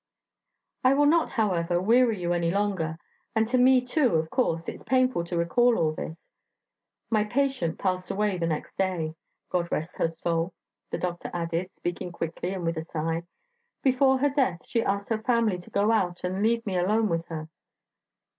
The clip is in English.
"I will not, however, weary you any longer, and to me too, of course, it's painful to recall all this. My patient passed away the next day. God rest her soul!" the doctor added, speaking quickly and with a sigh. "Before her death she asked her family to go out and leave me alone with her."